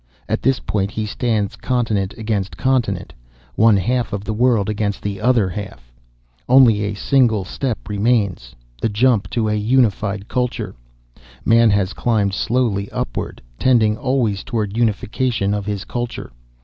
At this point he stands continent against continent, one half of the world against the other half. Only a single step remains, the jump to a unified culture. Man has climbed slowly upward, tending always toward unification of his culture.